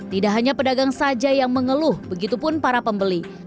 tidak hanya pedagang saja yang mengeluh begitu pun para pembeli